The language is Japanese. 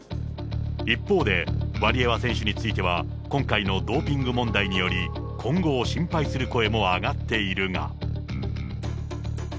一方で、ワリエワ選手については、今回のドーピング問題により、今後を心配する声も上がっているが。